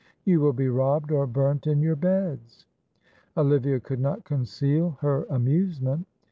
You will be robbed or burnt in your beds!" Olivia could not conceal her amusement.